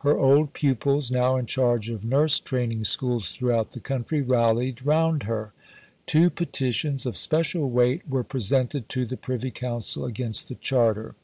Her old pupils, now in charge of nurse training schools throughout the country, rallied round her. Two petitions, of special weight, were presented to the Privy Council against the Charter.